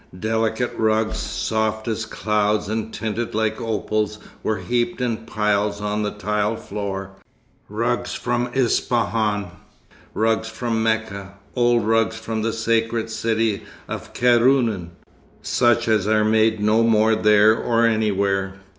Delicate rugs, soft as clouds and tinted like opals, were heaped in piles on the tiled floor; rugs from Ispahan, rugs from Mecca; old rugs from the sacred city of Kairouan, such as are made no more there or anywhere.